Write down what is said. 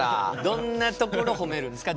どんなところ褒めるんですか？